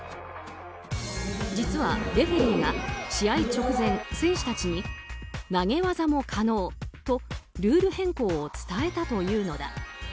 実は、レフェリーが試合直前選手たちに、投げ技も可能とルール変更を伝えたというのだ。